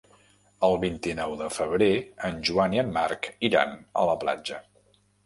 El vint-i-nou de febrer en Joan i en Marc iran a la platja.